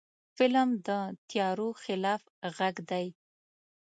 فلم د تیارو خلاف غږ دی